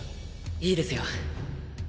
いいですよ。